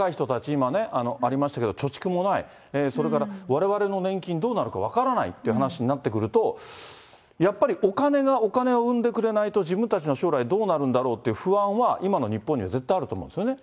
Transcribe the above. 今ね、ありましたけど、貯蓄もない、それからわれわれの年金どうなるか分からないっていう話になってくると、やっぱりお金がお金を生んでくれないと、自分たちの将来どうなるんだろうっていう不安は、今の日本には絶対あると思うんですよね。